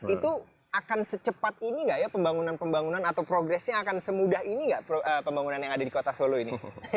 itu akan secepat ini nggak ya pembangunan pembangunan atau progresnya akan semudah ini nggak pembangunan yang ada di kota solo ini